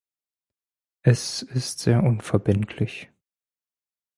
Es ist sehr unverbindlich.